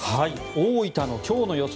大分の今日の予想